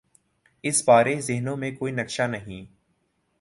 اس بارے ذہنوں میں کوئی نقشہ نہیں۔